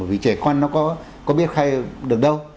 vì trẻ con nó có biết khai được đâu